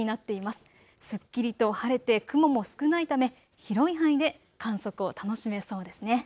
すっきりと晴れて雲も少ないため広い範囲で観測を楽しめそうです。